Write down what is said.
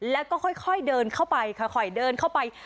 แล้วก็ค่อยเดินเข้าไปค่อยเดินเข้าไป